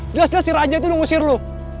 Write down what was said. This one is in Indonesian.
ternyata raja itu nunggu sir lu